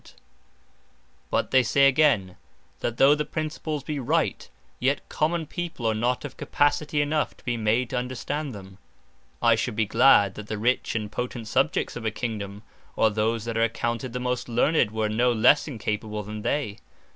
Objection From The Incapacity Of The Vulgar But they say again, that though the Principles be right, yet Common people are not of capacity enough to be made to understand them. I should be glad, that the Rich, and Potent Subjects of a Kingdome, or those that are accounted the most Learned, were no lesse incapable than they.